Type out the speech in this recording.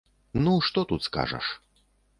Ну што тут скажаш.